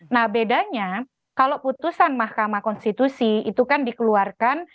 nah bedanya kalau putusan mahkamah konstitusi itu kan dikeluarkan